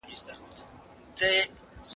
A ګروپ تازه سبزي او مېوه وخوري.